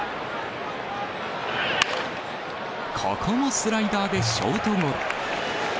ここもスライダーでショートゴロ。